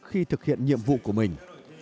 khi thực hiện nhiệm vụ của mình